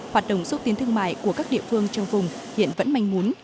hoạt động xúc tiến thương mại của các địa phương trong vùng hiện vẫn manh muốn